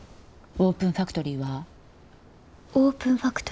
オープンファクトリー？